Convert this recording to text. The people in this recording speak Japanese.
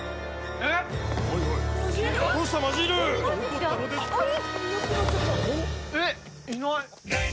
えっいない。